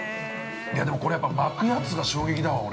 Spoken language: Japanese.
でもこれ、巻くやつが衝撃だわ俺。